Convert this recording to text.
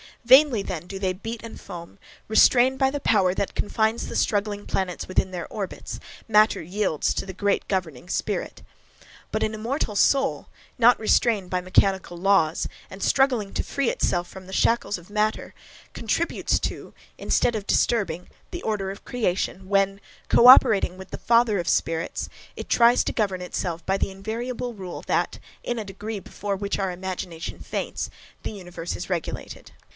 Vainly then do they beat and foam, restrained by the power that confines the struggling planets within their orbits, matter yields to the great governing Spirit. But an immortal soul, not restrained by mechanical laws, and struggling to free itself from the shackles of matter, contributes to, instead of disturbing, the order of creation, when, co operating with the Father of spirits, it tries to govern itself by the invariable rule that, in a degree, before which our imagination faints, the universe is regulated.